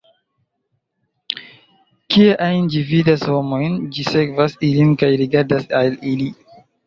Kie ajn ĝi vidas homojn, ĝi sekvas ilin kaj rigardas al ili.